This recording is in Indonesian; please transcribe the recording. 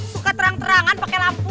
suka terang terangan pakai lampu